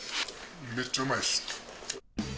めっちゃうまいです。